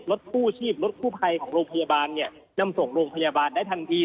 รถกู้ชีพรถกู้ภัยของโรงพยาบาลเนี่ยนำส่งโรงพยาบาลได้ทันที